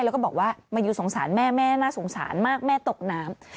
แล้วก็บอกว่ามายูสงสารแม่แม่น่าสงสารมากแม่ตกน้ำ